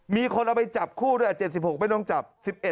มีคนเอาไปจับคู่ด้วย๗๖ไม่ต้องจับ๑๑